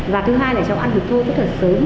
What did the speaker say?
và thứ hai là cháu ăn được thu rất là sớm